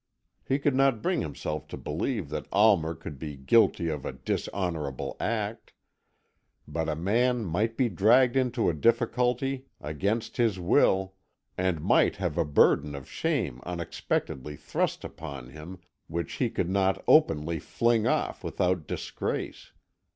He could not bring himself to believe that Almer could be guilty of a dishonourable act but a man might be dragged into a difficulty against his will, and might have a burden of shame unexpectedly thrust upon him which he could not openly fling off without disgrace.